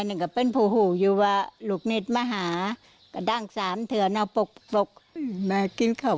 สองคนไม่ง่ายสักตัว